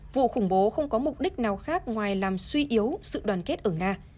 vụ khủng bố không có mục đích nào khác ngoài làm suy yếu sự đoàn kết ở nga